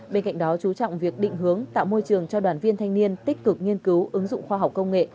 bên cạnh đó chú trọng việc định hướng tạo môi trường cho đoàn viên thanh niên tích cực nghiên cứu ứng dụng khoa học công nghệ